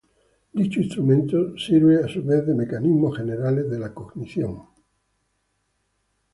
Dicho instrumento se sirve a su vez de mecanismos generales de la cognición.